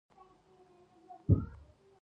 آیا او په خپلو مټو نه وي؟